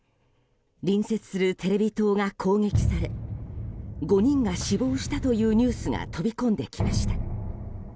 隣接するテレビ塔が攻撃され５人が死亡したというニュースが飛び込んできました。